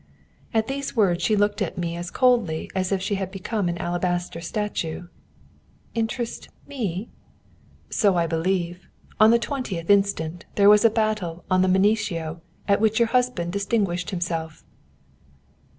At these words she looked at me as coldly as if she had become an alabaster statue. "Interest me?" "So I believe. On the 20th instant there was a battle on the Mincio, at which your husband distinguished himself."